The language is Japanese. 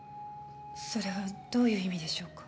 それはどういう意味でしょうか？